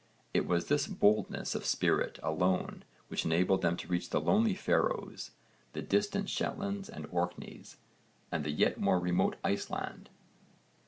It was this boldness of spirit alone which enabled them to reach the lonely Faroes, the distant Shetlands and Orkneys, and the yet more remote Iceland.